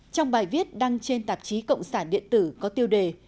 trong bài viết đăng trên tạp chí cộng sản điện tử có tiêu đề